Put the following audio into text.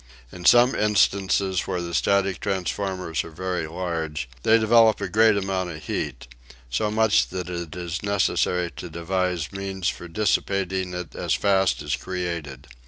In some instances where the static transformers are very large they develop a great amount of heat, so much that it is necessary to devise means for dissipating it as fast as created.